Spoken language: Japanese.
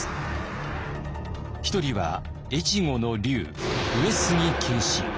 １人は越後の龍上杉謙信。